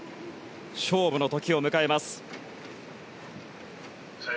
勝負の時を迎えます。